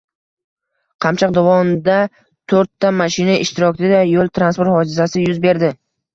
Qamchiq dovonidato´rtta mashina ishtirokida yo´l transport hodisasi yuz berdi